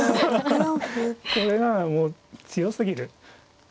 これならもう強すぎる。